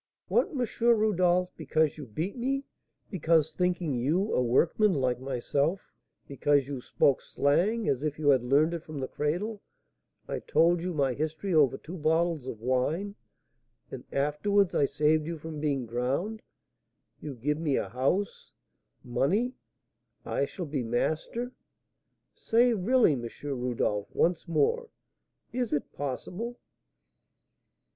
"What, M. Rodolph, because you beat me, because, thinking you a workman, like myself, because you spoke 'slang' as if you had learned it from the cradle, I told you my history over two bottles of wine, and afterwards I saved you from being drowned, you give me a house money I shall be master! Say really, M. Rodolph, once more, is it possible?"